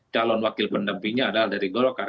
calon wakil pendampingnya adalah dari golkar